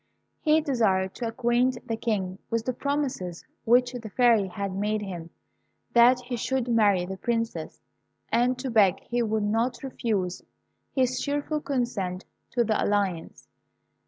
He desired to acquaint the King with the promises which the Fairy had made him, that he should marry the Princess, and to beg he would not refuse his cheerful consent to the alliance.